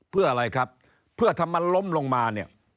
เพื่ออะไรครับเพื่อถ้ามันล้มลงมาเนี่ย